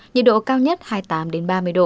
nhiệt độ cao nhất hai mươi tám ba mươi độ